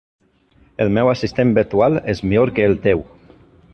El meu assistent virtual és millor que el teu.